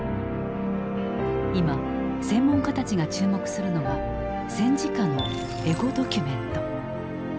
今専門家たちが注目するのが戦時下のエゴドキュメント。